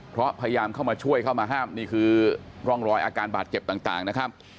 เพราะพยายามเข้ามาช่วยเข้ามาห้ามนี่คือร่องรอยอาการบาดเจ็บต่างนะครับ